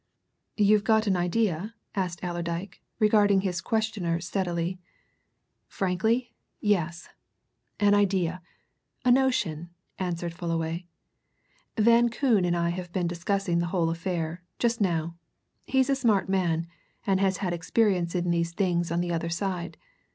"You've got an idea?" asked Allerdyke, regarding his questioner steadily. "Frankly, yes an idea a notion," answered Fullaway. "Van Koon and I have been discussing the whole affair just now. He's a smart man, and has had experience in these things on the other side.